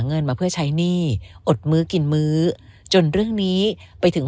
เงินมาเพื่อใช้หนี้อดมื้อกินมื้อจนเรื่องนี้ไปถึง